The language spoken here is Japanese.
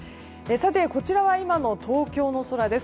さて、こちらは今の東京の空です。